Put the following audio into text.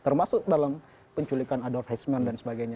termasuk dalam penculikan adolf hesman dan sebagainya